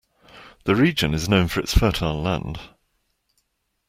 The region is known for its fertile land.